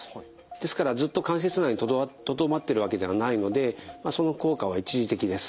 ですからずっと関節内にとどまってるわけではないのでその効果は一時的です。